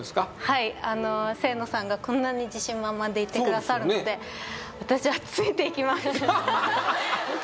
はい清野さんがこんなに自信満々でいてくださるので私はついて行きますははははっ